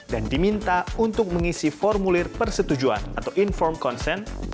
dan diminta untuk mengisi formulir persetujuan atau informed consent